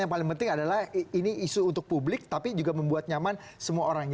yang paling penting adalah ini isu untuk publik tapi juga membuat nyaman semua orangnya